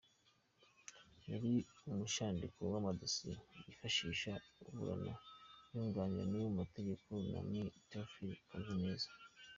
Yari n’umushandiko w’amadosiye yifashisha aburana yunganiwe mu mategeko na Me Theophile Kazineza.